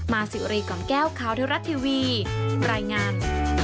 สิวรีกล่อมแก้วข่าวเทวรัฐทีวีรายงาน